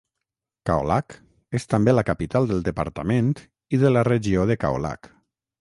Kaolack és també la capital del departament i de la regió de Kaolack.